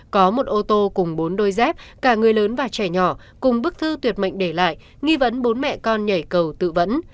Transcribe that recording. có một ô tô cùng bốn đôi dép cả người lớn và trẻ nhỏ cùng bức thư tuyệt mệnh để lại nghi vấn bốn mẹ con nhảy cầu tự vẫn